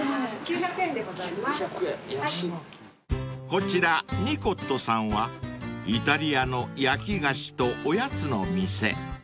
［こちらｎｉｃｏｔｔｏさんはイタリアの焼き菓子とおやつの店］